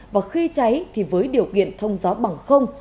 và khi cháy thì với điều kiện thông gió bằng không